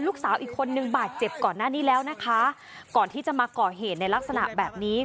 ลูกสาวอีกคนนึงบาดเจ็บก่อนหน้านี้แล้วนะคะก่อนที่จะมาก่อเหตุในลักษณะแบบนี้